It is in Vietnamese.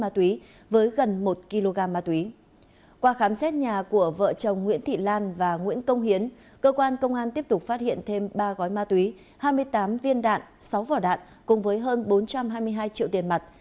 qua khám xét nhà của vợ chồng nguyễn thị lan và nguyễn công hiến cơ quan công an tiếp tục phát hiện thêm ba gói ma túy hai mươi tám viên đạn sáu vỏ đạn cùng với hơn bốn trăm hai mươi hai triệu tiền mặt